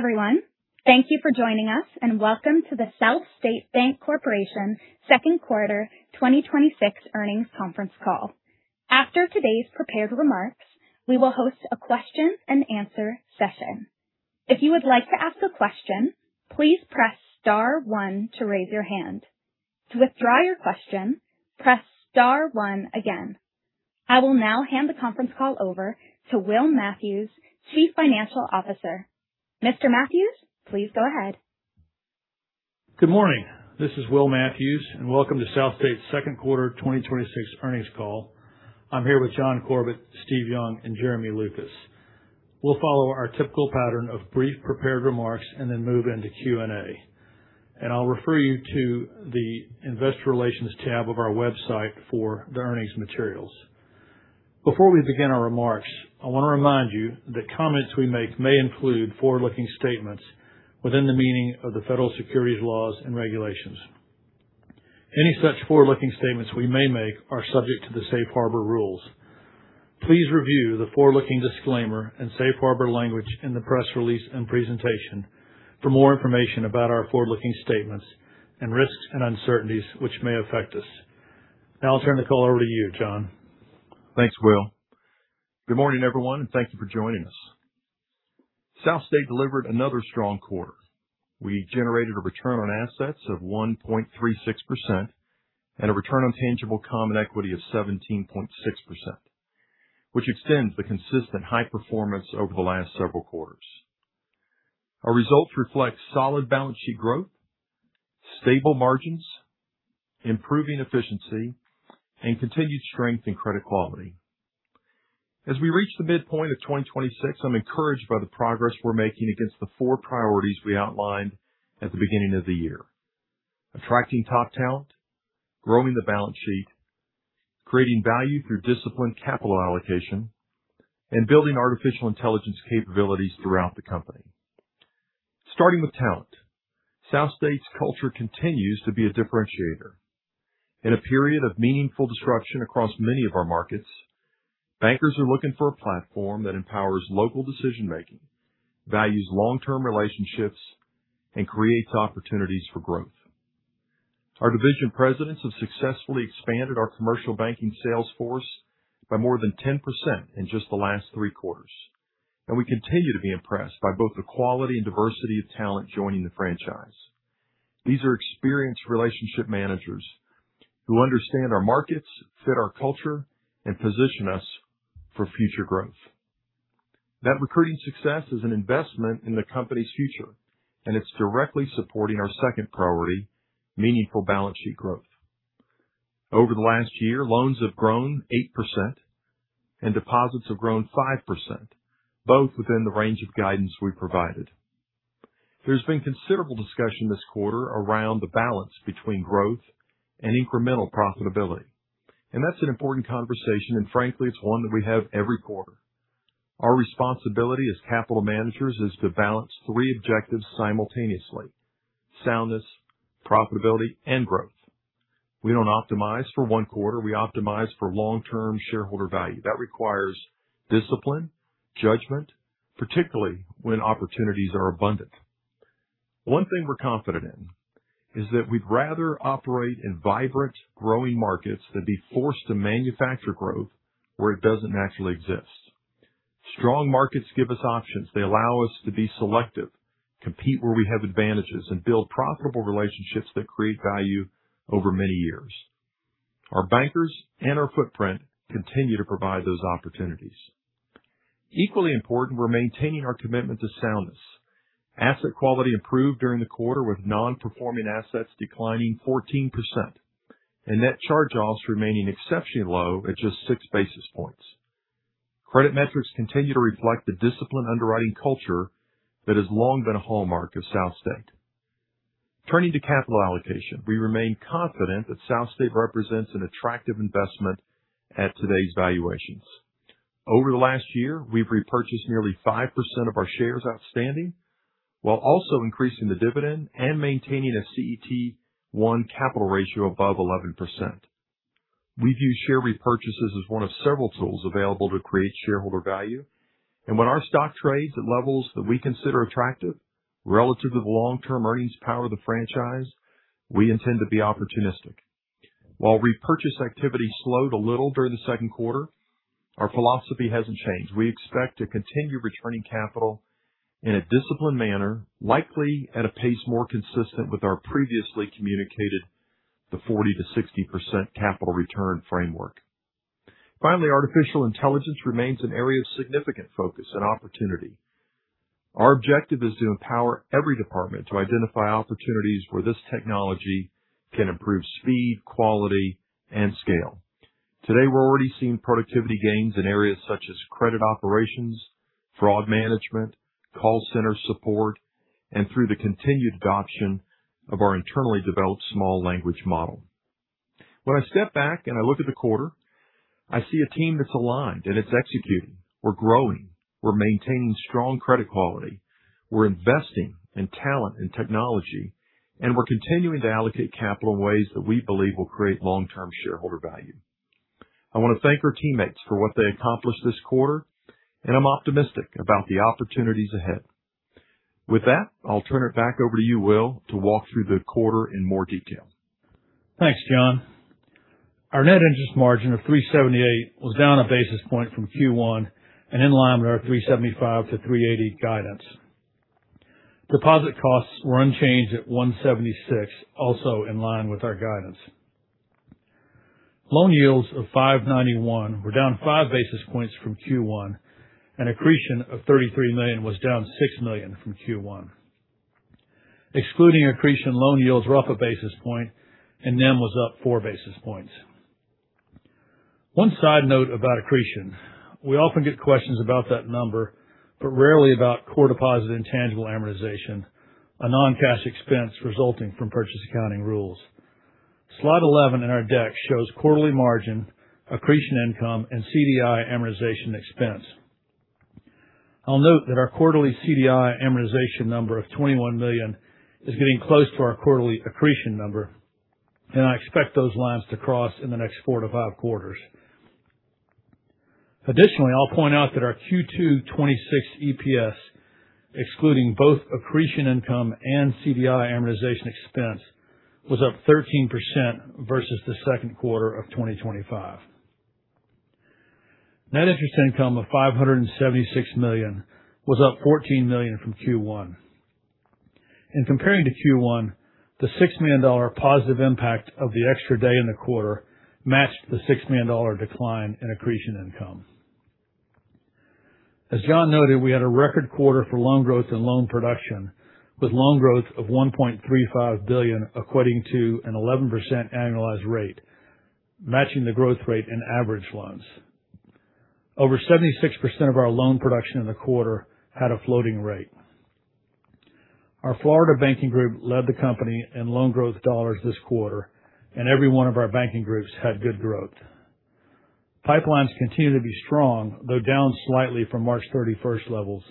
Hello, everyone. Thank you for joining us, and welcome to the SouthState Bank Corporation second quarter 2026 earnings conference call. After today's prepared remarks, we will host a question and answer session. If you would like to ask a question, please press star one to raise your hand. To withdraw your question, press star one again. I will now hand the conference call over to Will Matthews, Chief Financial Officer. Mr. Matthews, please go ahead. Good morning. This is Will Matthews, and welcome to SouthState's second quarter 2026 earnings call. I'm here with John Corbett, Steve Young, and Jeremy Lucas. We'll follow our typical pattern of brief prepared remarks and then move into Q&A. I'll refer you to the investor relations tab of our website for the earnings materials. Before we begin our remarks, I want to remind you that comments we make may include forward-looking statements within the meaning of the federal securities laws and regulations. Any such forward-looking statements we may make are subject to the safe harbor rules. Please review the forward-looking disclaimer and safe harbor language in the press release and presentation for more information about our forward-looking statements and risks and uncertainties which may affect us. Now I'll turn the call over to you, John. Thanks, Will. Good morning, everyone, and thank you for joining us. SouthState delivered another strong quarter. We generated a return on assets of 1.36% and a return on tangible common equity of 17.6%, which extends the consistent high performance over the last several quarters. Our results reflect solid balance sheet growth, stable margins, improving efficiency, and continued strength in credit quality. As we reach the midpoint of 2026, I'm encouraged by the progress we're making against the four priorities we outlined at the beginning of the year: attracting top talent, growing the balance sheet, creating value through disciplined capital allocation, and building artificial intelligence capabilities throughout the company. Starting with talent, SouthState's culture continues to be a differentiator. In a period of meaningful disruption across many of our markets, bankers are looking for a platform that empowers local decision-making, values long-term relationships, and creates opportunities for growth. Our division presidents have successfully expanded our commercial banking sales force by more than 10% in just the last three quarters, and we continue to be impressed by both the quality and diversity of talent joining the franchise. These are experienced Relationship Managers who understand our markets, fit our culture, and position us for future growth. That recruiting success is an investment in the company's future, and it's directly supporting our second priority, meaningful balance sheet growth. Over the last year, loans have grown 8% and deposits have grown 5%, both within the range of guidance we provided. There's been considerable discussion this quarter around the balance between growth and incremental profitability, and that's an important conversation, and frankly, it's one that we have every quarter. Our responsibility as capital managers is to balance three objectives simultaneously: soundness, profitability, and growth. We don't optimize for one quarter. We optimize for long-term shareholder value. That requires discipline, judgment, particularly when opportunities are abundant. One thing we're confident in is that we'd rather operate in vibrant, growing markets than be forced to manufacture growth where it doesn't naturally exist. Strong markets give us options. They allow us to be selective, compete where we have advantages, and build profitable relationships that create value over many years. Our bankers and our footprint continue to provide those opportunities. Equally important, we're maintaining our commitment to soundness. Asset quality improved during the quarter, with non-performing assets declining 14% and net charge-offs remaining exceptionally low at just six basis points. Credit metrics continue to reflect the disciplined underwriting culture that has long been a hallmark of SouthState. Turning to capital allocation, we remain confident that SouthState represents an attractive investment at today's valuations. Over the last year, we've repurchased nearly 5% of our shares outstanding while also increasing the dividend and maintaining a CET1 capital ratio above 11%. We view share repurchases as one of several tools available to create shareholder value. When our stock trades at levels that we consider attractive relative to the long-term earnings power of the franchise, we intend to be opportunistic. While repurchase activity slowed a little during the second quarter, our philosophy hasn't changed. We expect to continue returning capital in a disciplined manner, likely at a pace more consistent with our previously communicated, the 40%-60% capital return framework. Finally, artificial intelligence remains an area of significant focus and opportunity. Our objective is to empower every department to identify opportunities where this technology can improve speed, quality, and scale. Today, we're already seeing productivity gains in areas such as credit operations, fraud management, call center support, and through the continued adoption of our internally developed small language model. When I step back and I look at the quarter, I see a team that's aligned and it's executing. We're growing. We're maintaining strong credit quality. We're investing in talent and technology, and we're continuing to allocate capital in ways that we believe will create long-term shareholder value. I want to thank our teammates for what they accomplished this quarter, and I'm optimistic about the opportunities ahead. With that, I'll turn it back over to you, Will, to walk through the quarter in more detail. Thanks, John. Our net interest margin of 3.78% was down a basis point from Q1 and in line with our 3.75%-3.80% guidance. Deposit costs were unchanged at 1.76%, also in line with our guidance. Loan yields of 5.91% were down five basis points from Q1, and accretion of $33 million was down $6 million from Q1. Excluding accretion, loan yields were up a basis point and NIM was up four basis points. One side note about accretion. We often get questions about that number, but rarely about core deposit intangible amortization, a non-cash expense resulting from purchase accounting rules. Slide 11 in our deck shows quarterly margin, accretion income, and CDI amortization expense. I'll note that our quarterly CDI amortization number of $21 million is getting close to our quarterly accretion number, and I expect those lines to cross in the next four to five quarters. Additionally, I'll point out that our Q2 2026 EPS, excluding both accretion income and CDI amortization expense, was up 13% versus the second quarter of 2025. Net interest income of $576 million was up $14 million from Q1. In comparing to Q1, the $6 million positive impact of the extra day in the quarter matched the $6 million decline in accretion income. As John noted, we had a record quarter for loan growth and loan production, with loan growth of $1.35 billion equating to an 11% annualized rate, matching the growth rate in average loans. Over 76% of our loan production in the quarter had a floating rate. Our Florida banking group led the company in loan growth dollars this quarter, and every one of our banking groups had good growth. Pipelines continue to be strong, though down slightly from March 31st levels.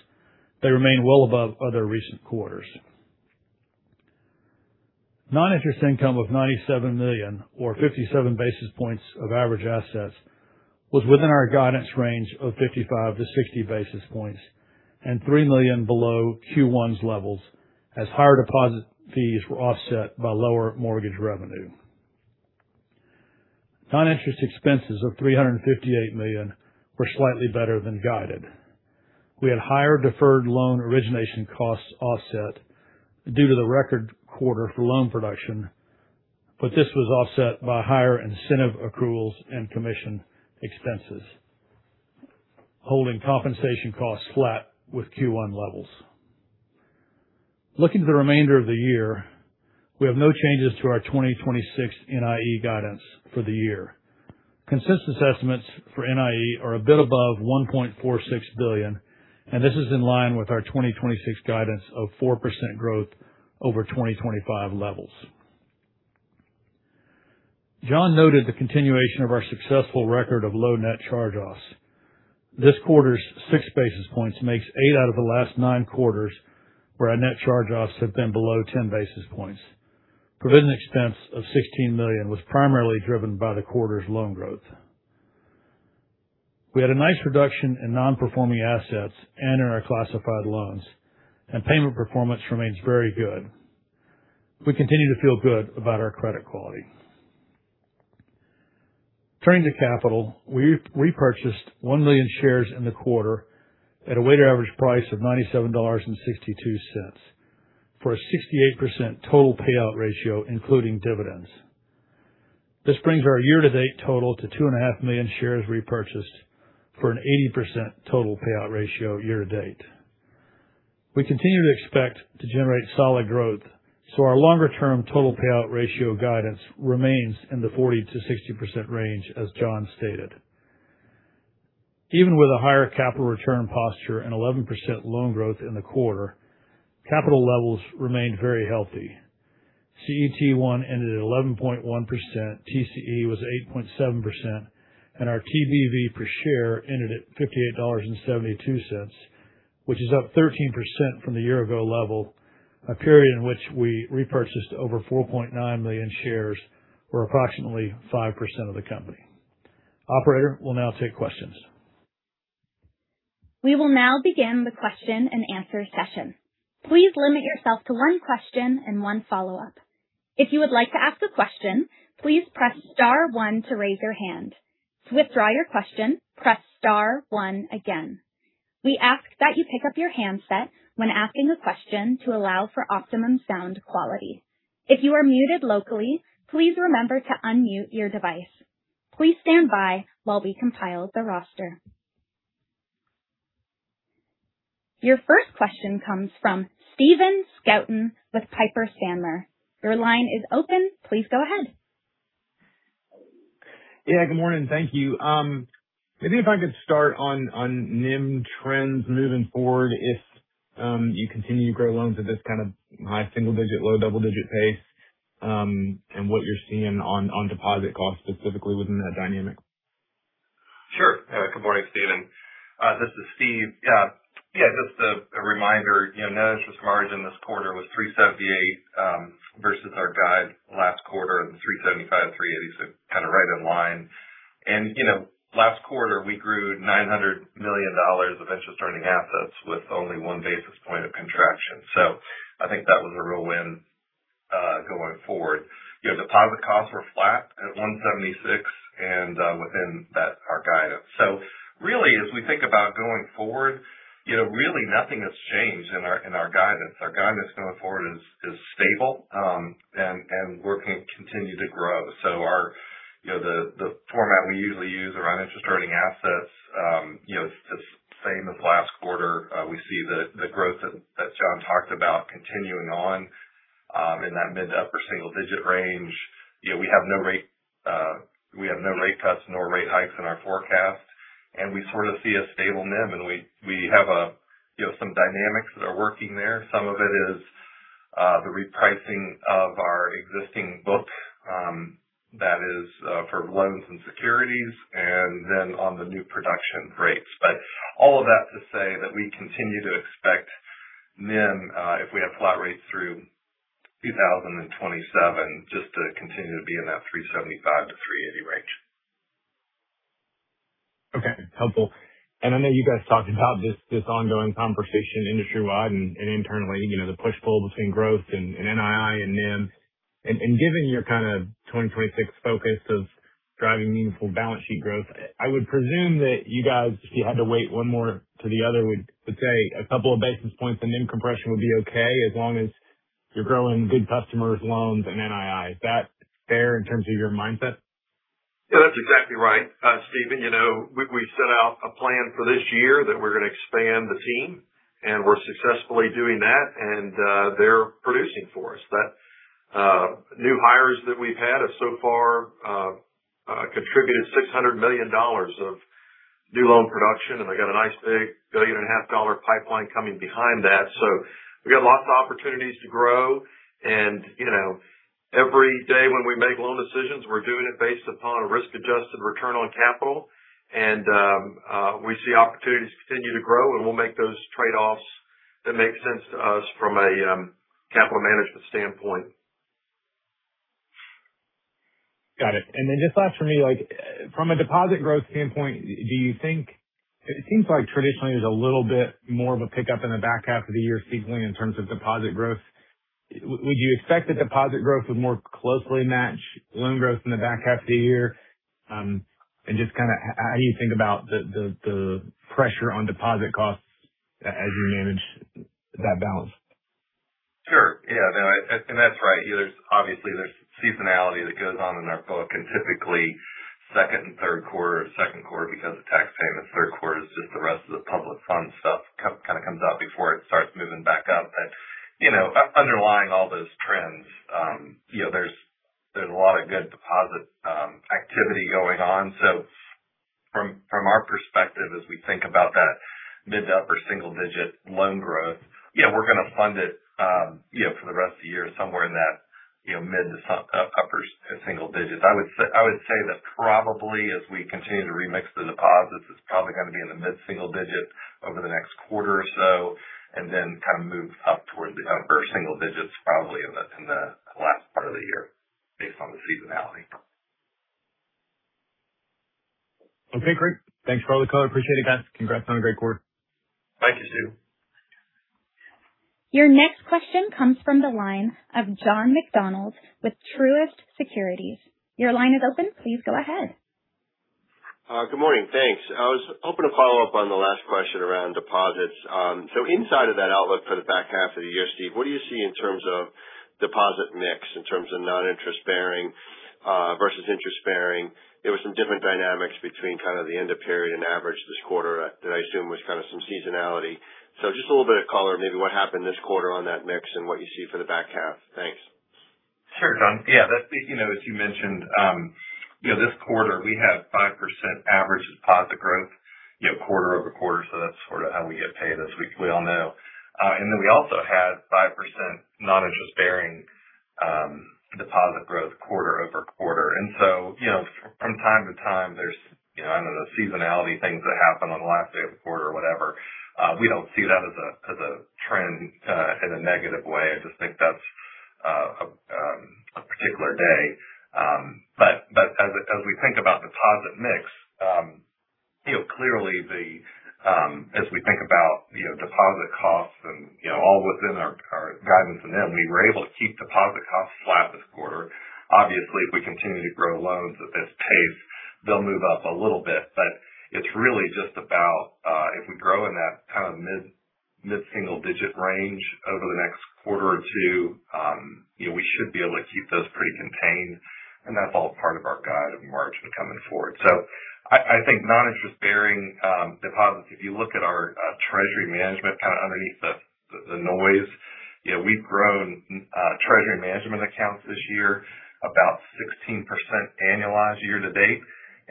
They remain well above other recent quarters. Non-interest income of $97 million or 57 basis points of average assets was within our guidance range of 55 basis points-60 basis points and $3 million below Q1's levels, as higher deposit fees were offset by lower mortgage revenue. Non-interest expenses of $358 million were slightly better than guided. We had higher deferred loan origination costs offset due to the record quarter for loan production, but this was offset by higher incentive accruals and commission expenses, holding compensation costs flat with Q1 levels. Looking to the remainder of the year, we have no changes to our 2026 NIE guidance for the year. Consensus estimates for NIE are a bit above $1.46 billion, and this is in line with our 2026 guidance of 4% growth over 2025 levels. John noted the continuation of our successful record of low net charge-offs. This quarter's six basis points makes eight out of the last nine quarters where our net charge-offs have been below 10 basis points. Provision expense of $16 million was primarily driven by the quarter's loan growth. We had a nice reduction in non-performing assets and in our classified loans, and payment performance remains very good. We continue to feel good about our credit quality. Turning to capital, we repurchased 1 million shares in the quarter at a weighted average price of $97.62 for a 68% total payout ratio including dividends. This brings our year-to-date total to 2.5 million shares repurchased for an 80% total payout ratio year-to-date. We continue to expect to generate solid growth, so our longer-term total payout ratio guidance remains in the 40%-60% range, as John stated. Even with a higher capital return posture and 11% loan growth in the quarter, capital levels remained very healthy. CET1 ended at 11.1%, TCE was 8.7%, and our TBV per share ended at $58.72, which is up 13% from the year ago level, a period in which we repurchased over 4.9 million shares, or approximately 5% of the company. Operator, we will now take questions. We will now begin the question-and-answer session. Please limit yourself to one question and one follow-up. If you would like to ask a question, please press star one to raise your hand. To withdraw your question, press star one again. We ask that you pick up your handset when asking a question to allow for optimum sound quality. If you are muted locally, please remember to unmute your device. Please stand by while we compile the roster. Your first question comes from Stephen Scouten with Piper Sandler. Your line is open. Please go ahead. Yeah, good morning. Thank you. Maybe if I could start on NIM trends moving forward, if you continue to grow loans at this kind of high single digit, low double digit pace, and what you are seeing on deposit costs specifically within that dynamic. Sure. Good morning, Stephen. This is Steve. Yeah. Just a reminder, net interest margin this quarter was 3.78% versus our guide last quarter of 3.75%, 3.80%, kind of right in line. Last quarter, we grew $900 million of interest-earning assets with only one basis point of contraction. I think that was a real win going forward. Deposit costs were flat at 1.76% and within that our guidance. Really, as we think about going forward, really nothing has changed in our guidance. Our guidance going forward is stable and we are going to continue to grow. The format we usually use around interest-earning assets is the same as last quarter. We see the growth that John talked about continuing on in that mid to upper single digit range. We have no rate cuts nor rate hikes in our forecast. We sort of see a stable NIM. We have some dynamics that are working there. Some of it is the repricing of our existing book that is for loans and securities, then on the new production rates. All of that to say that we continue to expect NIM, if we have flat rates through 2027, just to continue to be in that 3.75%-3.80% range. Okay. Helpful. I know you guys talked about this ongoing conversation industry wide and internally, the push-pull between growth and NII and NIM. Given your kind of 2026 focus of driving meaningful balance sheet growth, I would presume that you guys, if you had to weight one more to the other, would say a couple of basis points of NIM compression would be okay as long as you're growing good customers, loans, and NII. Is that fair in terms of your mindset? Yeah, that's exactly right, Stephen. We set out a plan for this year that we're going to expand the team. We're successfully doing that, and they're producing for us. That new hires that we've had have so far contributed $600 million of new loan production. They got a nice big $1.5 billion Pipeline coming behind that. We've got lots of opportunities to grow. Every day when we make loan decisions, we're doing it based upon risk-adjusted return on capital. We see opportunities continue to grow, and we'll make those trade-offs that make sense to us from a capital management standpoint. Got it. Then just last for me, from a deposit growth standpoint, it seems like traditionally there's a little bit more of a pickup in the back half of the year seasonally in terms of deposit growth. Would you expect the deposit growth would more closely match loan growth in the back half of the year? Just how do you think about the pressure on deposit costs as you manage that balance? Sure. Yeah. That's right. Obviously, there's seasonality that goes on in our book. Typically second quarter because of tax payments, third quarter is just the rest of the public fund stuff kind of comes out before it starts moving back up. Underlying all those trends, there's a lot of good deposit activity going on. From our perspective, as we think about that mid-to-upper single-digit loan growth, yeah, we're going to fund it for the rest of the year somewhere in that mid-to-upper single digits. I would say that probably as we continue to remix the deposits, it's probably going to be in the mid-single digits over the next quarter or so, then kind of move up towards the upper-single digits probably in the last part of the year based on the seasonality. Okay, great. Thanks for all the color. Appreciate it, guys. Congrats on a great quarter. Thank you, Stephen. Your next question comes from the line of John McDonald with Truist Securities. Your line is open. Please go ahead. Good morning. Thanks. I was hoping to follow up on the last question around deposits. Inside of that outlook for the back half of the year, Steve, what do you see in terms of deposit mix, in terms of non-interest-bearing versus interest-bearing? There were some different dynamics between kind of the end of period and average this quarter that I assume was kind of some seasonality. Just a little bit of color maybe what happened this quarter on that mix and what you see for the back half. Thanks. Sure, John. Yeah. As you mentioned, this quarter we had 5% average deposit growth quarter-over-quarter. That's sort of how we get paid as we all know. We also had 5% non-interest-bearing deposit growth quarter-over-quarter. From time to time, there's seasonality things that happen on the last day of quarter or whatever. We don't see that as a trend in a negative way. I just think that's a particular day. As we think about deposit mix, clearly as we think about deposit costs and all within our guidance and NIM, we were able to keep deposit costs flat this quarter. Obviously, if we continue to grow loans at this pace, they'll move up a little bit. It's really just about if we grow in that kind of mid-single-digit range over the next quarter or two, we should be able to keep those pretty contained. That's all part of our guide and margin coming forward. I think non-interest-bearing deposits, if you look at our treasury management kind of underneath the noise, we've grown treasury management accounts this year about 16% annualized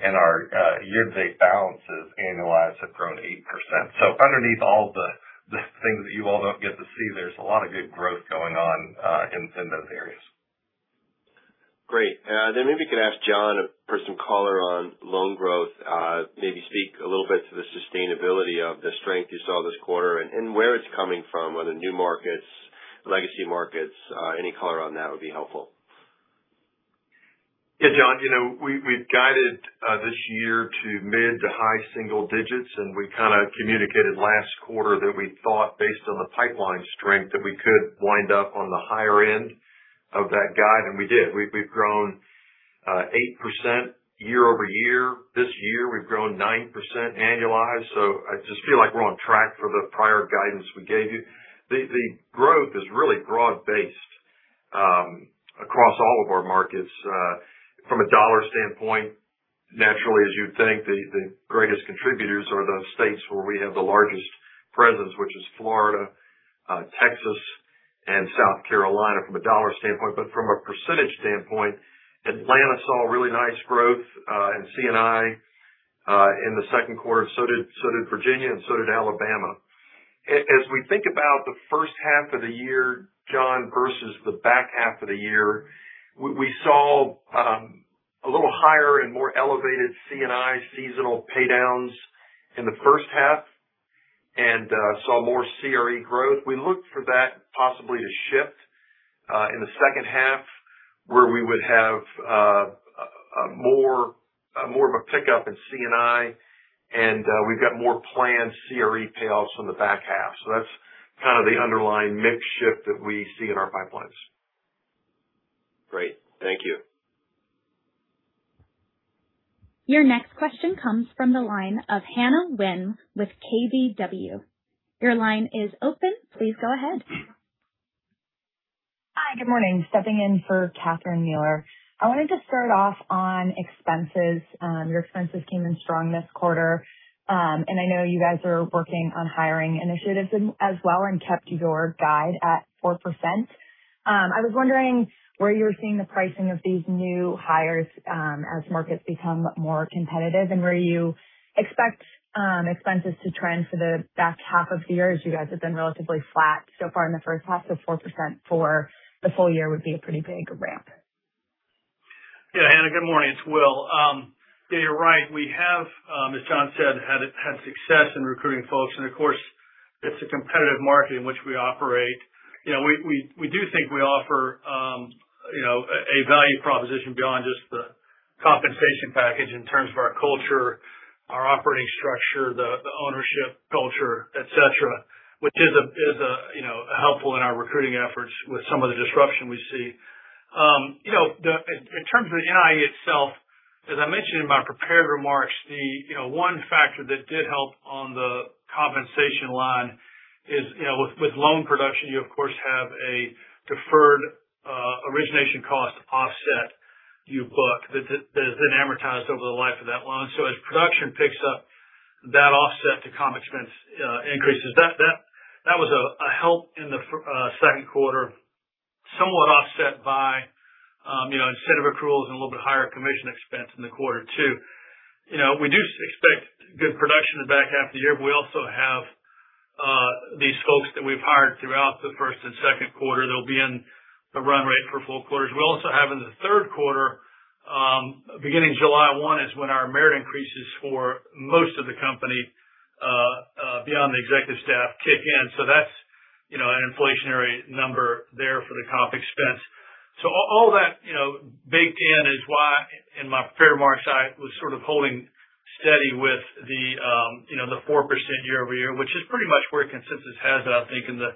year-to-date. Our year-to-date balances annualized have grown 8%. Underneath all the things that you all don't get to see, there's a lot of good growth going on in those areas. Great. Maybe you could ask John for some color on loan growth. Maybe speak a little bit to the sustainability of the strength you saw this quarter and where it's coming from, whether new markets, legacy markets. Any color on that would be helpful. John, we've guided this year to mid-to-high single digits, we kind of communicated last quarter that we thought based on the pipeline strength, that we could wind up on the higher end of that guide, and we did. We've grown 8% year-over-year. This year we've grown 9% annualized. I just feel like we're on track for the prior guidance we gave you. The growth is really broad-based across all of our markets. From a dollar standpoint, naturally as you'd think, the greatest contributors are the states where we have the largest presence, which is Florida, Texas, and South Carolina from a dollar standpoint. From a percentage standpoint, Atlanta saw really nice growth in C&I in the second quarter. So did Virginia and so did Alabama. As we think about the first half of the year, John, versus the back half of the year, we saw a little higher and more elevated C&I seasonal paydowns in the first half and saw more CRE growth. We look for that possibly to shift in the second half where we would have more of a pickup in C&I, and we've got more planned CRE payoffs in the back half. That's kind of the underlying mix shift that we see in our pipelines. Great. Thank you. Your next question comes from the line of Hannah Nguyen with Keefe, Bruyette & Woods. Your line is open. Please go ahead. Hi, good morning. Stepping in for Catherine Mealor. I wanted to start off on expenses. Your expenses came in strong this quarter. I know you guys are working on hiring initiatives as well and kept your guide at 4%. I was wondering where you're seeing the pricing of these new hires as markets become more competitive and where you expect expenses to trend for the back half of the year, as you guys have been relatively flat so far in the first half, so 4% for the full year would be a pretty big ramp. Yeah, Hannah, good morning. It's Will. Yeah, you're right. We have, as John said, had success in recruiting folks, of course, it's a competitive market in which we operate. We do think we offer a value proposition beyond just the compensation package in terms of our culture, our operating structure, the ownership culture, et cetera, which is helpful in our recruiting efforts with some of the disruption we see. In terms of NIE itself, as I mentioned in my prepared remarks, the one factor that did help on the compensation line is with loan production, you of course have a deferred origination cost offset you book that is then amortized over the life of that loan. As production picks up, that offset to comp expense increases. That was a help in the second quarter, somewhat offset by incentive accruals and a little bit higher commission expense in the quarter too. We do expect good production in the back half of the year. We also have these folks that we've hired throughout the first and second quarter that'll be in the run rate for full quarters. We also have in the third quarter, beginning July 1 is when our merit increases for most of the company, beyond the executive staff, kick in. That's an inflationary number there for the comp expense. All that baked in is why in my prepared remarks, I was sort of holding steady with the 4% year-over-year, which is pretty much where consensus has it, I think, in the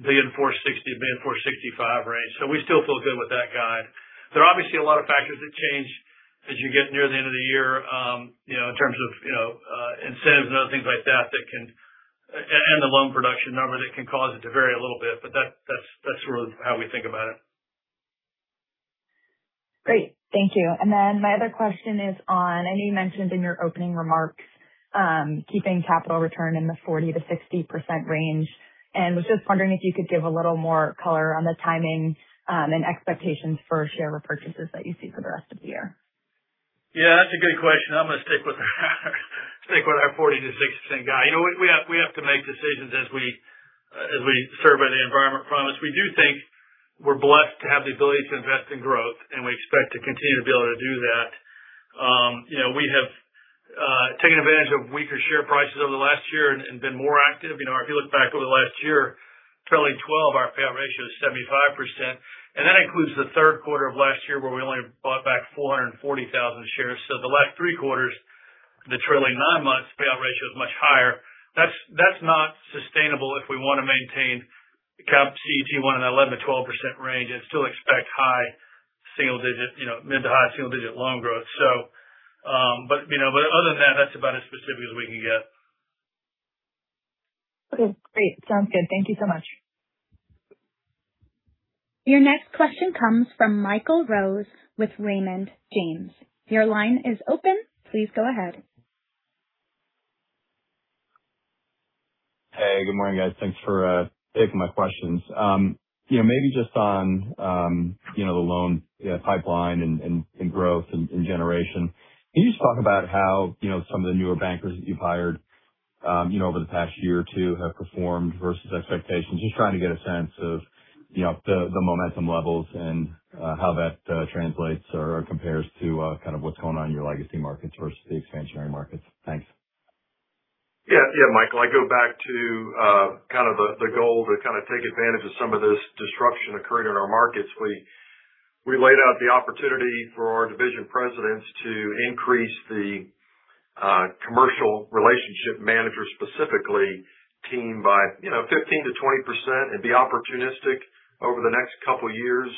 mid 4.60%, mid 4.65% range. We still feel good with that guide. There are obviously a lot of factors that change as you get near the end of the year, in terms of incentives and other things like that, and the loan production numbers that can cause it to vary a little bit. That's sort of how we think about it. Great. Thank you. My other question is on, I know you mentioned in your opening remarks keeping capital return in the 40%-60% range. Was just wondering if you could give a little more color on the timing and expectations for share repurchases that you see for the rest of the year. Yeah, that's a good question. I'm going to stick with our 40%-60% guide. We have to make decisions as we surf by the environment from us. We do think we're blessed to have the ability to invest in growth, and we expect to continue to be able to do that. We have taken advantage of weaker share prices over the last year and been more active. If you look back over the last year, trailing 12, our payout ratio is 75%, and that includes the third quarter of last year where we only bought back 440,000 shares. The last three quarters, the trailing nine months, payout ratio is much higher. That's not sustainable if we want to maintain CET1 in an 11%-12% range and still expect mid to high single-digit loan growth. Other than that's about as specific as we can get. Okay, great. Sounds good. Thank you so much. Your next question comes from Michael Rose with Raymond James. Your line is open. Please go ahead. Hey, good morning, guys. Thanks for taking my questions. Maybe just on the loan pipeline and growth in generation. Can you just talk about how some of the newer bankers that you've hired Over the past year or two have performed versus expectations. Just trying to get a sense of the momentum levels and how that translates or compares to what's going on in your legacy markets versus the expansionary markets. Thanks. Yeah. Michael, I go back to the goal to take advantage of some of this disruption occurring in our markets. We laid out the opportunity for our division presidents to increase the commercial Relationship Manager, specifically team by 15%-20% and be opportunistic over the next couple of years.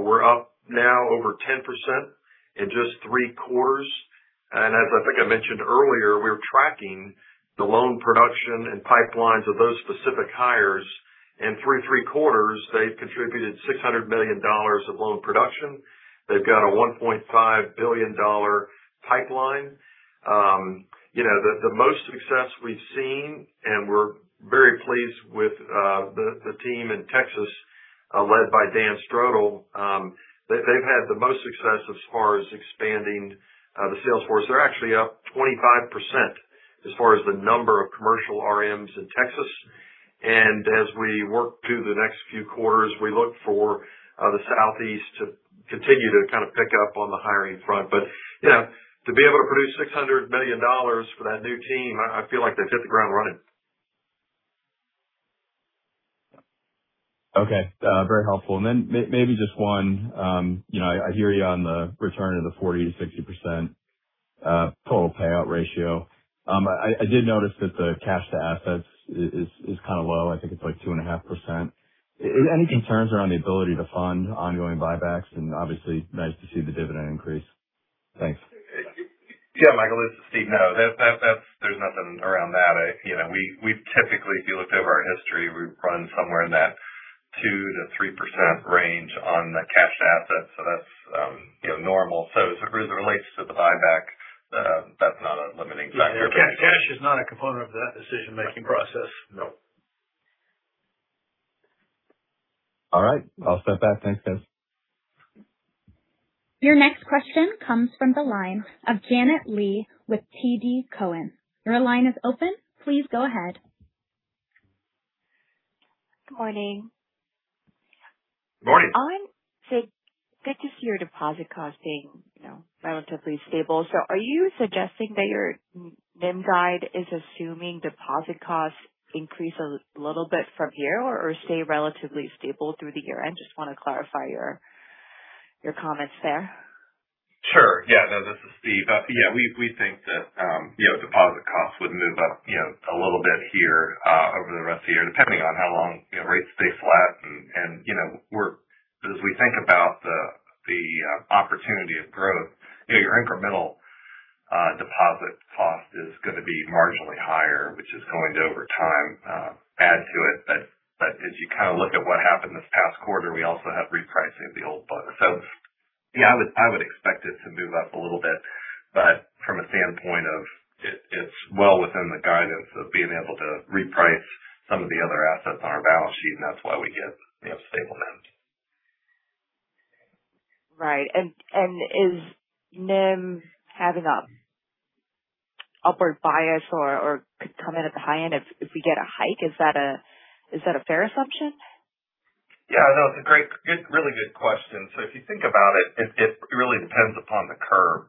We're up now over 10% in just three quarters. As I think I mentioned earlier, we're tracking the loan production and pipelines of those specific hires. In three quarters, they've contributed $600 million of loan production. They've got a $1.5 billion pipeline. The most success we've seen, and we're very pleased with the team in Texas, led by Dan Strodel. They've had the most success as far as expanding the sales force. They're actually up 25% as far as the number of commercial RMs in Texas. As we work through the next few quarters, we look for the Southeast to continue to pick up on the hiring front. To be able to produce $600 million for that new team, I feel like they've hit the ground running. Okay. Very helpful. Then maybe just one. I hear you on the return of the 40%-60% total payout ratio. I did notice that the cash to assets is low. I think it's like 2.5%. Any concerns around the ability to fund ongoing buybacks? Obviously, nice to see the dividend increase. Thanks. Michael, this is Steve. No, there's nothing around that. We typically, if you looked over our history, we run somewhere in that 2%-3% range on the cash to assets. That's normal. As it relates to the buyback, that's not a limiting factor. Cash is not a component of that decision-making process. No. All right. I'll step back. Thanks, guys. Your next question comes from the line of Janet Lee with TD Cowen. Your line is open. Please go ahead. Good morning. Morning. So good to see your deposit costing relatively stable. Are you suggesting that your NIM guide is assuming deposit costs increase a little bit from here or stay relatively stable through the year-end? Just want to clarify your comments there. Sure. Yeah. No, this is Steve. Yeah, we think that deposit costs would move up a little bit here over the rest of the year, depending on how long rates stay flat. As we think about the opportunity of growth, your incremental deposit cost is going to be marginally higher, which is going to, over time, add to it. As you look at what happened this past quarter, we also have repricing of the old book. Yeah, I would expect it to move up a little bit. From a standpoint of it's well within the guidance of being able to reprice some of the other assets on our balance sheet, and that's why we get stable NIMs. Right. Is NIM having an upward bias or could come in at the high end if we get a hike? Is that a fair assumption? Yeah, no, it's a really good question. If you think about it really depends upon the curve.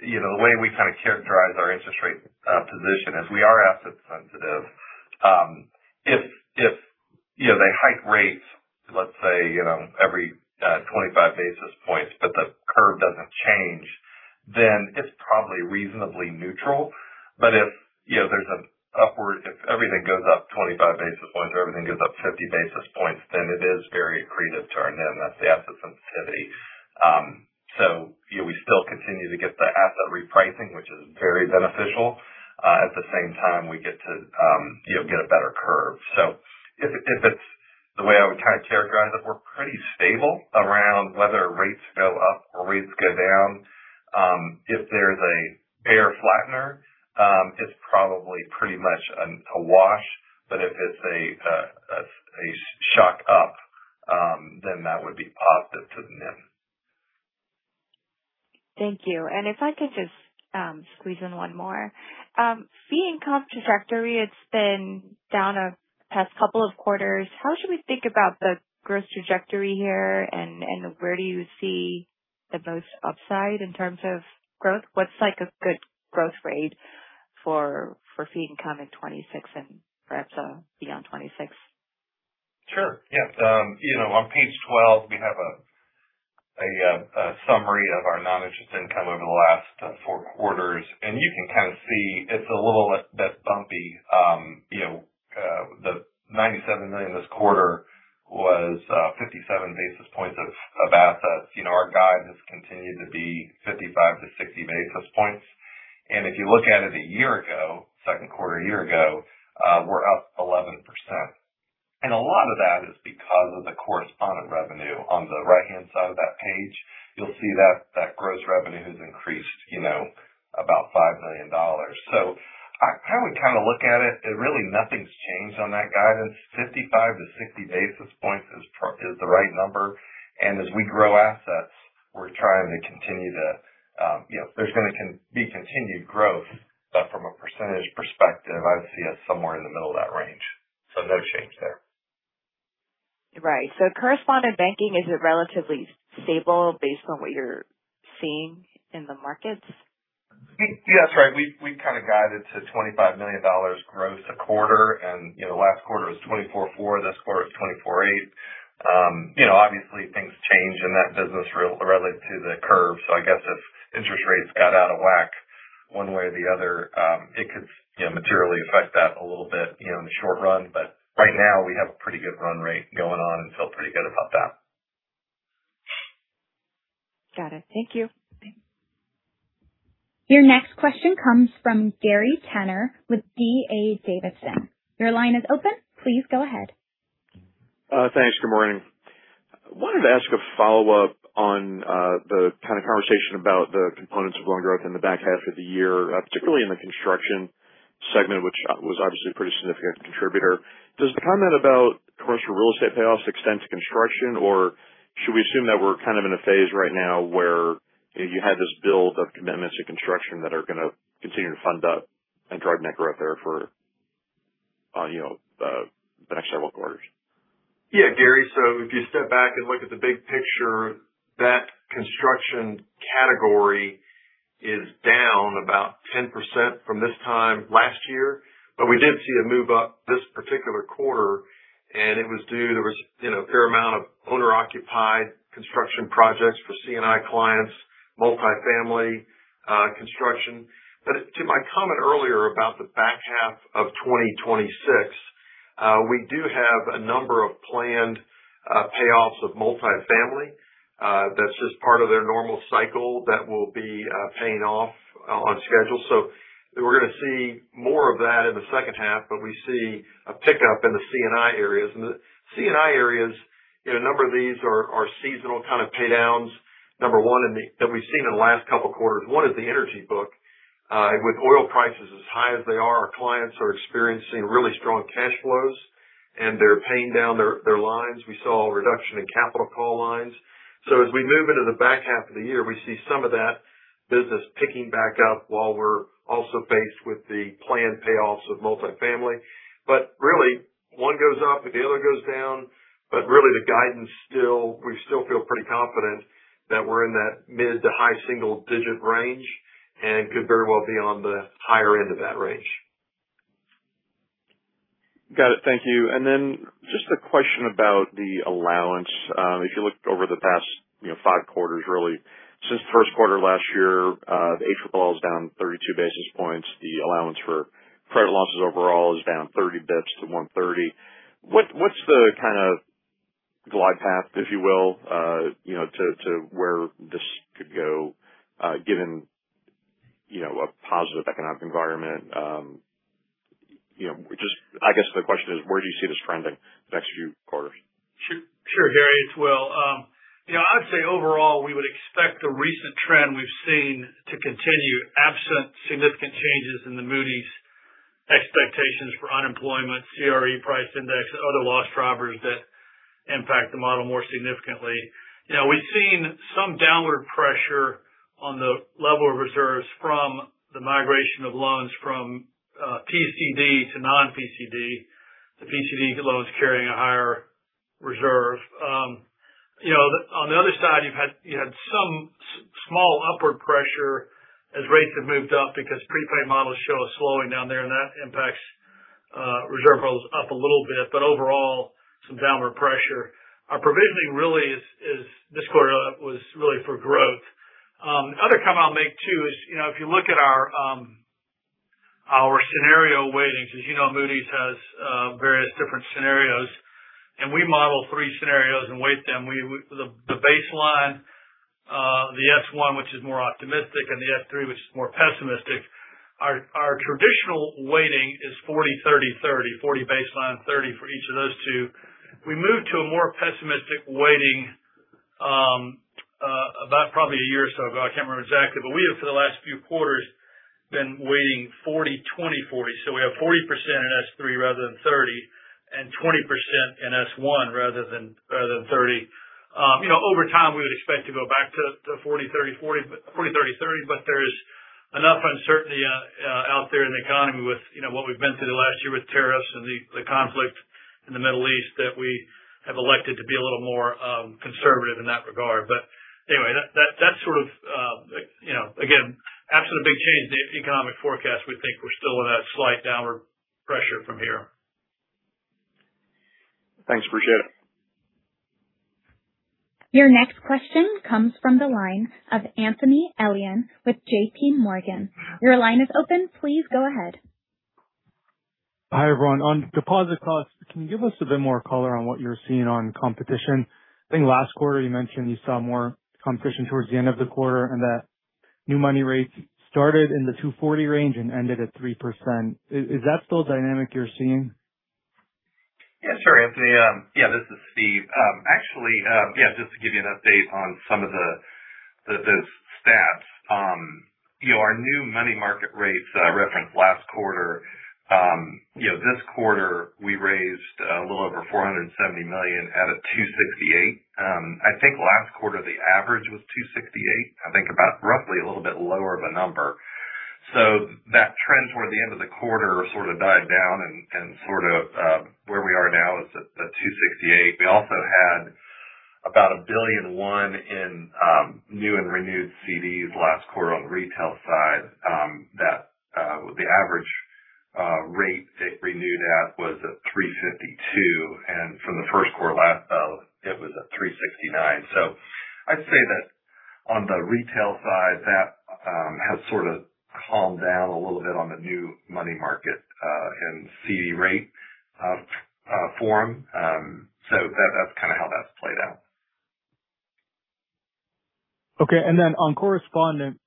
The way we characterize our interest rate position is we are asset sensitive. If they hike rates, let's say, every 25 basis points, but the curve doesn't change, then it's probably reasonably neutral. If everything goes up 25 basis points or everything goes up 50 basis points, then it is very accretive to our NIM. That's the asset sensitivity. We still continue to get the asset repricing, which is very beneficial. At the same time, we get a better curve. If it's the way I would characterize it, we're pretty stable around whether rates go up or rates go down. If there's a bear flattener, it's probably pretty much a wash. If it's a shock up, that would be positive to the NIM. Thank you. If I could just squeeze in one more. Fee income trajectory, it's been down the past couple of quarters. How should we think about the growth trajectory here, and where do you see the most upside in terms of growth? What's a good growth rate for fee income in 2026 and perhaps beyond 2026? Sure. Yeah. On page 12, we have a summary of our non-interest income over the last four quarters. You can kind of see it's a little bit bumpy. The $97 million this quarter was 57 basis points of assets. Our guide has continued to be 55 basis points-60 basis points. If you look at it a year ago, second quarter a year ago, we're up 11%. A lot of that is because of the correspondent revenue. On the right-hand side of that page, you'll see that that gross revenue has increased about $5 million. How we look at it, really nothing's changed on that guidance. 55 basis points-60 basis points is the right number. As we grow assets We're trying to continue to, there's going to be continued growth, from a percentage perspective, I'd see us somewhere in the middle of that range. No change there. Right. Correspondent banking, is it relatively stable based on what you're seeing in the markets? Yeah, that's right. We kind of guided to $25 million gross a quarter. Last quarter was $24.4 million. This quarter is $24.8 million. Obviously, things change in that business relative to the curve. I guess if interest rates got out of whack one way or the other, it could materially affect that a little bit in the short run. Right now, we have a pretty good run rate going on and feel pretty good about that. Got it. Thank you. Your next question comes from Gary Tenner with D.A. Davidson. Your line is open. Please go ahead. Thanks. Good morning. I wanted to ask a follow-up on the kind of conversation about the components of loan growth in the back half of the year, particularly in the construction segment, which was obviously a pretty significant contributor. Does the comment about commercial real estate payoffs extend to construction, or should we assume that we're kind of in a phase right now where you have this build of commitments to construction that are going to continue to fund up and drive net growth there for the next several quarters? Yeah, Gary. If you step back and look at the big picture, that construction category is down about 10% from this time last year. We did see a move up this particular quarter, and it was due, there was a fair amount of owner-occupied construction projects for C&I clients, multifamily construction. To my comment earlier about the back half of 2026, we do have a number of planned payoffs of multifamily. That's just part of their normal cycle that will be paying off on schedule. We're going to see more of that in the second half, but we see a pickup in the C&I areas. The C&I areas, a number of these are seasonal kind of pay downs, number one, that we've seen in the last couple quarters. One is the energy book. With oil prices as high as they are, our clients are experiencing really strong cash flows, and they're paying down their lines. We saw a reduction in capital call lines. As we move into the back half of the year, we see some of that business picking back up while we're also faced with the planned payoffs of multifamily. Really, one goes up if the other goes down. Really the guidance still, we still feel pretty confident that we're in that mid to high single digit range and could very well be on the higher end of that range. Got it. Thank you. Then just a question about the allowance. If you look over the past five quarters, really since the first quarter last year, the ALLL was down 32 basis points. The allowance for credit losses overall is down 30 basis points-130 basis points. What's the kind of glide path, if you will, to where this could go given a positive economic environment? I guess the question is where do you see this trending the next few quarters? Sure, Gary. It's Will. I'd say overall, we would expect the recent trend we've seen to continue absent significant changes in the Moody's expectations for unemployment, CRE price index, and other loss drivers that impact the model more significantly. We've seen some downward pressure on the level of reserves from the migration of loans from PCD to non-PCD, the PCD loans carrying a higher reserve. On the other side, you had some small upward pressure as rates have moved up because prepaid models show a slowing down there, and that impacts reserve holds up a little bit. Overall, some downward pressure. Our provisioning really this quarter was really for growth. The other comment I'll make too is if you look at our scenario weightings, as you know, Moody's has various different scenarios, and we model three scenarios and weight them. The baseline the S1, which is more optimistic, and the S3, which is more pessimistic. Our traditional weighting is 40%, 30%. 40 baseline, 30% for each of those two. We moved to a more pessimistic weighting about probably a year or so ago. I can't remember exactly, but we have for the last few quarters been weighting 40%, 20%, 40%. We have 40% in S3 rather than 30%, and 20% in S1 rather than 30%. Over time, we would expect to go back to 40%, 30%. There is enough uncertainty out there in the economy with what we've been through the last year with tariffs and the conflict in the Middle East that we have elected to be a little more conservative in that regard. Anyway, that's again, absent a big change in the economic forecast, we think we're still in a slight downward pressure from here. Thanks. Appreciate it. Your next question comes from the line of Anthony Elian with JPMorgan. Your line is open. Please go ahead. Hi, everyone. On deposit costs, can you give us a bit more color on what you're seeing on competition? I think last quarter you mentioned you saw more competition towards the end of the quarter and that new money rates started in the 2.40% range and ended at 3%. Is that still the dynamic you're seeing? Yeah, sure, Anthony. Yeah, this is Steve. Actually, yeah, just to give you an update on some of those stats. Our new money market rates referenced last quarter. This quarter, we raised a little over $470 million out of $268 million. I think last quarter the average was $268 million. I think about roughly a little bit lower of a number. That trends toward the end of the quarter sort of died down and sort of where we are now is at $268 million. We also had about $1.1 billion in new and renewed CDs last quarter on the retail side. The average rate it renewed at was at 3.52%, and from the first quarter last, it was at 3.69%. I'd say that on the retail side, that has sort of calmed down a little bit on the new money market and CD rate form. That's kind of how that's played out. Okay. On correspondent,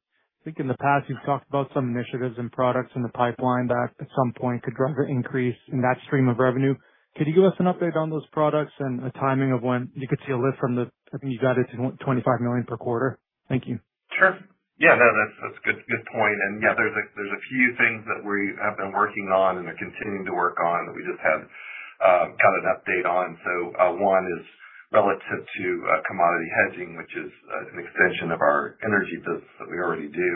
I think in the past you've talked about some initiatives and products in the pipeline that at some point could drive an increase in that stream of revenue. Could you give us an update on those products and a timing of when you could see a lift? I think you've guided to $25 million per quarter. Thank you. Sure. Yeah, that's a good point. Yeah, there's a few things that we have been working on and are continuing to work on that we just have got an update on. One is relative to commodity hedging, which is an extension of our energy business that we already do.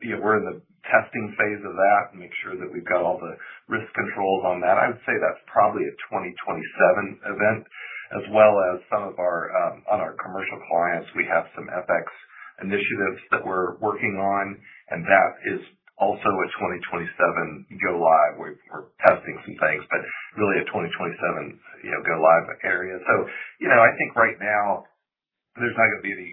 We're in the testing phase of that to make sure that we've got all the risk controls on that. I would say that's probably a 2027 event as well as some of our, on our commercial clients, we have some FX initiatives that we're working on, and that is also a 2027 go-live. We're testing some things, but really a 2027 go-live area. I think right now there's not going to be any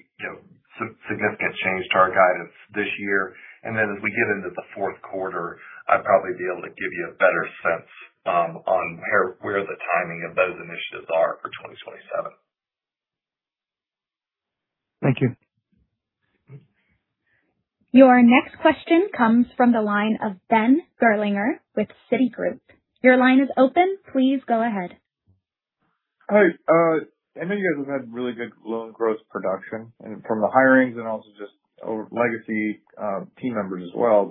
significant change to our guidance this year. As we get into the fourth quarter, I'd probably be able to give you a better sense on where the timing of those initiatives are for 2027. Thank you. Your next question comes from the line of Ben Gerlinger with Citigroup. Your line is open. Please go ahead. Hi. I know you guys have had really good loan growth production and from the hirings and also just legacy team members as well.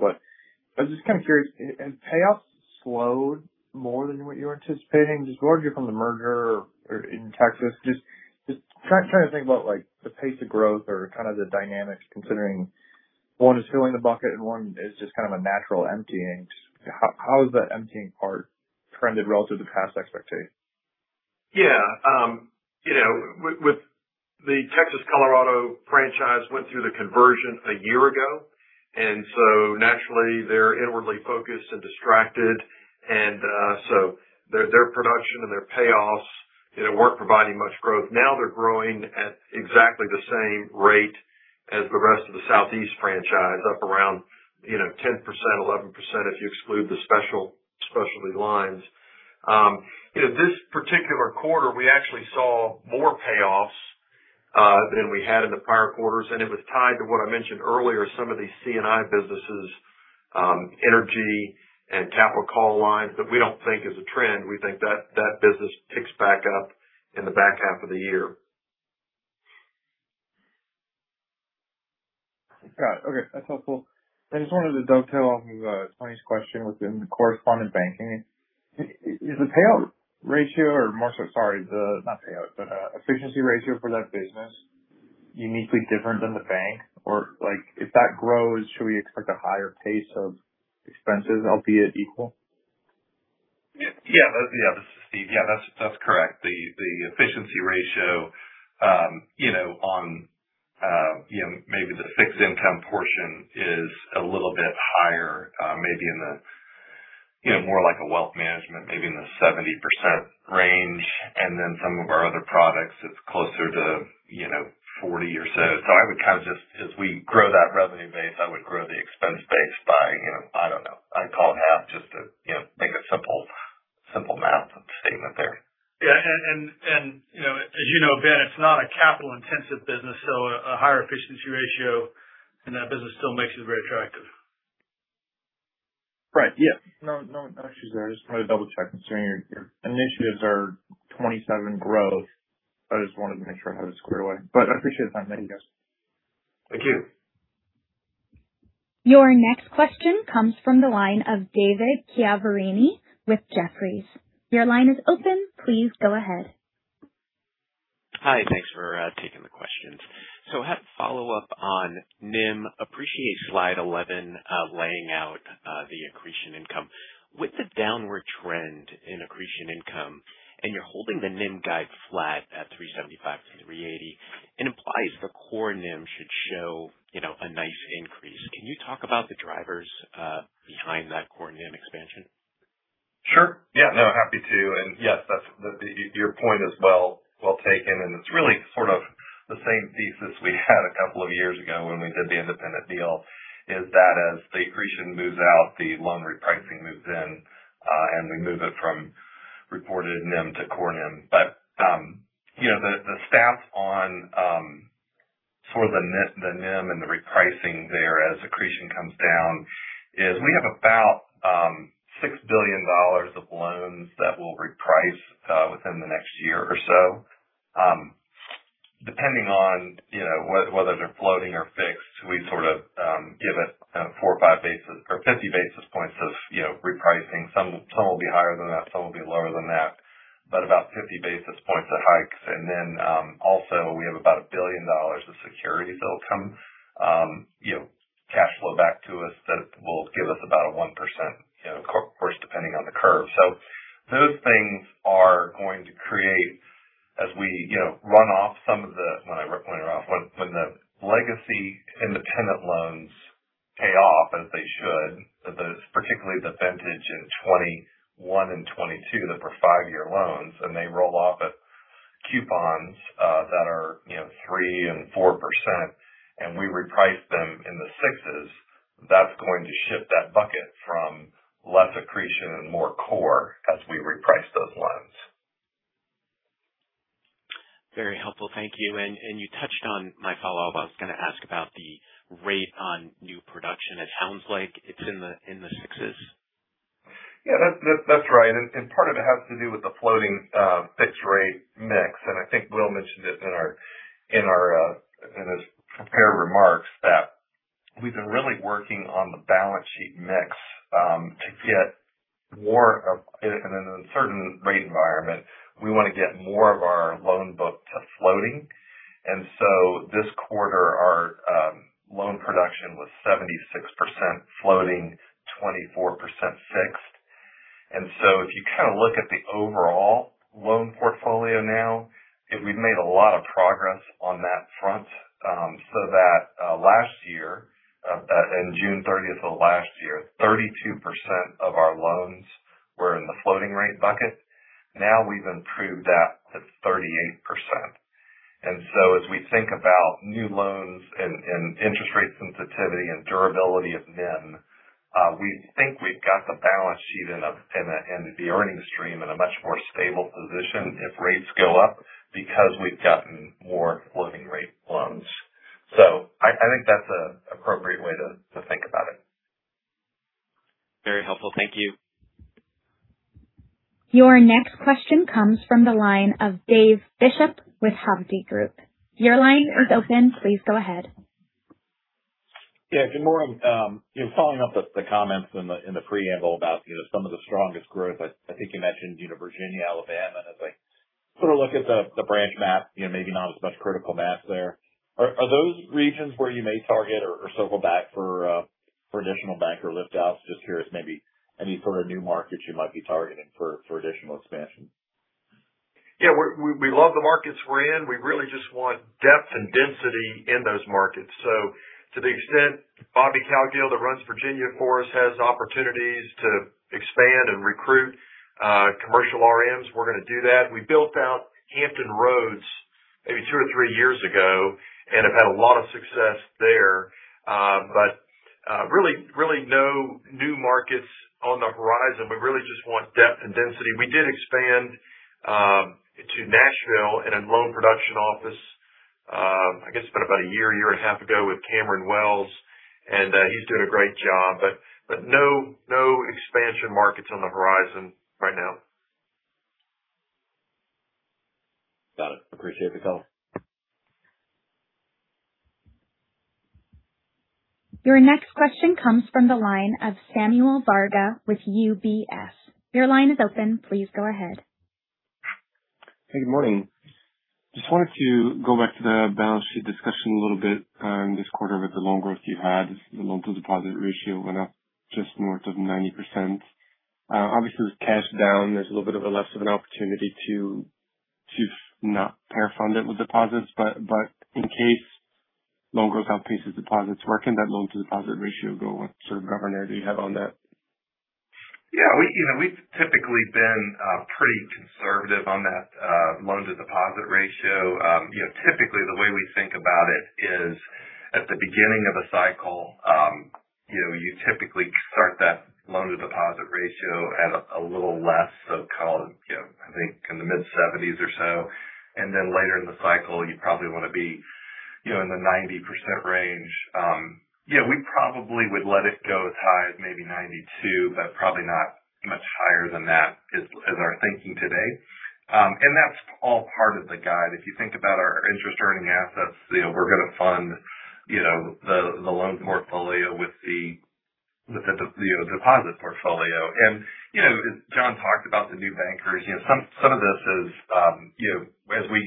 I was just kind of curious, have payouts slowed more than what you were anticipating just largely from the merger or in Texas? Just trying to think about the pace of growth or kind of the dynamics considering one is filling the bucket and one is just kind of a natural emptying. How has that emptying part trended relative to past expectations? The Texas Colorado franchise went through the conversion a year ago. Naturally, they're inwardly focused and distracted. Their production and their payoffs weren't providing much growth. Now they're growing at exactly the same rate as the rest of the Southeast franchise, up around 10%, 11%, if you exclude the specialty lines. This particular quarter, we actually saw more payoffs than we had in the prior quarters, and it was tied to what I mentioned earlier, some of these C&I businesses, energy and capital call lines that we don't think is a trend. We think that business picks back up in the back half of the year. Got it. Okay. That's helpful. I just wanted to dovetail off of Tony's question within the correspondent banking. Is the payout ratio or sorry, not payout, but efficiency ratio for that business uniquely different than the bank? Or if that grows, should we expect a higher pace of expenses, albeit equal? This is Steve. That's correct. The efficiency ratio on maybe the fixed income portion is a little bit higher, maybe in the more like a wealth management, maybe in the 70% range. Some of our other products, it's closer to 40% or so. I would kind of just as we grow that revenue base, I would grow the expense base by, I don't know, I'd call it half just to make a simple math statement there. As you know, Ben, it's not a capital intensive business, a higher efficiency ratio in that business still makes it very attractive. Right. Yeah. No issues there. I just wanted to double-check considering your initiatives are 2027 growth. I just wanted to make sure I had it squared away, but I appreciate the time. Thank you, guys. Thank you. Your next question comes from the line of David Chiaverini with Jefferies. Your line is open. Please go ahead. Hi. Thanks for taking the questions. I have a follow-up on NIM. Appreciate slide 11 laying out the accretion income. With the downward trend in accretion income, and you're holding the NIM guide flat at 3.75%-3.80%, it implies the core NIM should show a nice increase. Can you talk about the drivers behind that core NIM expansion? Sure. Yeah, no, happy to. Yes, your point is well taken, and it's really sort of the same thesis we had a couple of years ago when we did the Independent deal, is that as the accretion moves out, the loan repricing moves in, and we move it from reported NIM to core NIM. The staff on sort of the NIM and the repricing there as accretion comes down is we have about $6 billion of loans that will reprice within the next year or so. Depending on whether they're floating or fixed, we give it four or five basis or 50 basis points of repricing. Some will be higher than that, some will be lower than that, but about 50 basis points of hikes. Also we have about $1 billion of securities that'll come cashflow back to us that will give us about a 1%, of course, depending on the curve. Those things are going to create as we run off, when I run off, when the legacy Independent loans pay off as they should, particularly the vintage in 2021 and 2022 that were five-year loans, and they roll off at coupons that are 3% and 4% and we reprice them in the 6%, that's going to shift that bucket from less accretion and more core as we reprice those loans. Very helpful. Thank you. You touched on my follow-up. I was going to ask about the rate on new production. It sounds like it's in the sixes. Yeah. That's right. Part of it has to do with the floating fixed rate mix, I think Will mentioned it in his prepared remarks that we've been really working on the balance sheet mix to get more in an uncertain rate environment. We want to get more of our loan book to floating. This quarter, our loan production was 76% floating, 24% fixed. If you look at the overall loan portfolio now, we've made a lot of progress on that front. That last year, in June 30th of last year, 32% of our loans were in the floating rate bucket. Now we've improved that to 38%. As we think about new loans and interest rate sensitivity and durability of NIM, we think we've got the balance sheet and the earnings stream in a much more stable position if rates go up because we've gotten more floating rate loans. I think that's an appropriate way to think about it. Very helpful. Thank you. Your next question comes from the line of David Bishop with Hovde Group. Your line is open. Please go ahead. Good morning. Following up the comments in the preamble about some of the strongest growth, I think you mentioned Virginia, Alabama. As I look at the branch map, maybe not as much critical mass there. Are those regions where you may target or circle back for additional banker lift outs? Just curious, maybe any sort of new markets you might be targeting for additional expansion. We love the markets we're in. We really just want depth and density in those markets. To the extent Bobby Cowgill, that runs Virginia for us, has opportunities to expand and recruit commercial RMs, we're going to do that. We built out Hampton Roads maybe two or three years ago and have had a lot of success there. Really no new markets on the horizon. We really just want depth and density. We did expand to Nashville in a loan production office, I guess it's been about a 1.5 year ago with Cameron Wells, and he's doing a great job. No expansion markets on the horizon right now. Got it. Appreciate the call. Your next question comes from the line of Samuel Varga with UBS. Your line is open. Please go ahead. Hey, good morning. Just wanted to go back to the balance sheet discussion a little bit this quarter with the loan growth you had, the loan to deposit ratio went up just north of 90%. Obviously, with cash down, there's a little bit of a less of an opportunity to not pair fund it with deposits. In case loan growth outpaces deposits, where can that loan to deposit ratio go? What sort of governor do you have on that? We've typically been pretty conservative on that loan to deposit ratio. Typically, the way we think about it is at the beginning of a cycle, you typically start that loan to deposit ratio at a little less so-called, I think in the mid-70s or so, then later in the cycle, you probably want to be in the 90% range. We probably would let it go as high as maybe 92%, but probably not much higher than that is our thinking today. That's all part of the guide. If you think about our interest earning assets, we're going to fund the loans portfolio with the deposit portfolio. As John talked about the new bankers, some of this is as we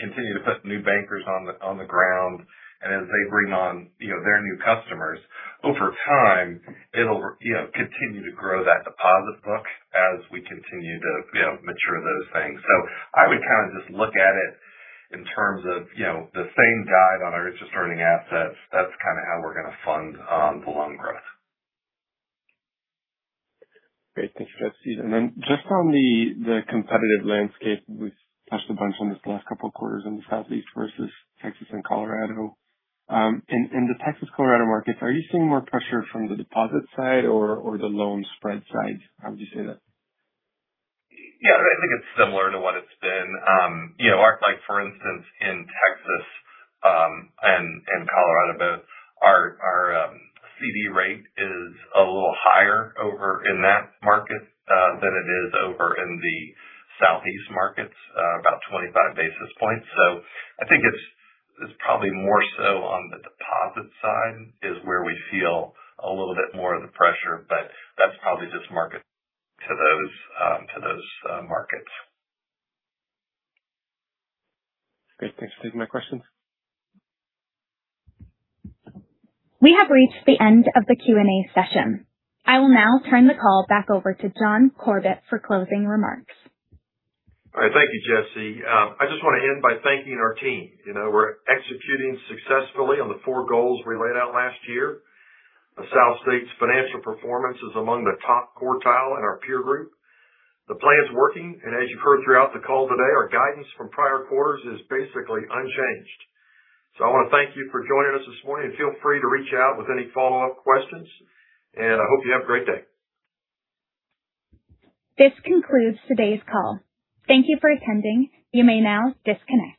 continue to put new bankers on the ground, as they bring on their new customers, over time, it'll continue to grow that deposit book as we continue to mature those things. I would just look at it in terms of the same guide on our interest earning assets. That's how we're going to fund the loan growth. Great. Thanks, Jesse. Then just on the competitive landscape, we've touched a bunch on this the last couple of quarters on the Southeast versus Texas and Colorado. In the Texas, Colorado markets, are you seeing more pressure from the deposit side or the loan spread side? How would you say that? I think it's similar to what it's been. For instance, in Texas and Colorado both, our CD rate is a little higher over in that market than it is over in the Southeast markets, about 25 basis points. I think it's probably more so on the deposit side is where we feel a little bit more of the pressure, that's probably just market to those markets. Great. Thanks for taking my questions. We have reached the end of the question-and-answer session. I will now turn the call back over to John Corbett for closing remarks. All right. Thank you, Jesse. I just want to end by thanking our team. We're executing successfully on the four goals we laid out last year. SouthState's financial performance is among the top quartile in our peer group. The plan's working, and as you've heard throughout the call today, our guidance from prior quarters is basically unchanged. I want to thank you for joining us this morning and feel free to reach out with any follow-up questions, and I hope you have a great day. This concludes today's call. Thank you for attending. You may now disconnect.